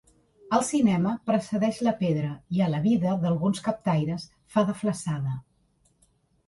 Al cinema precedeix la pedra i a la vida d'alguns captaires fa de flassada.